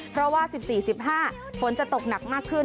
เพราะว่าสิบสี่สิบห้าฝนจะตกหนักมากขึ้น